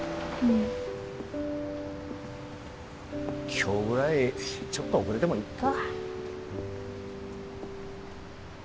今日ぐらいちょっと遅れてもいっか。